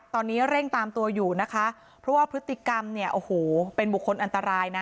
ตอนนี้เร่งตามตัวอยู่เพราะว่าพฤติกรรมเป็นบุคคลอันตราย